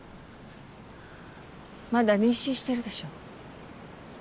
まだ妊娠してるでしょ？